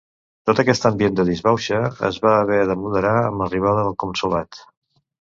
Tot aquest ambient de disbauxa es va haver de moderar amb l'arribada del Consolat.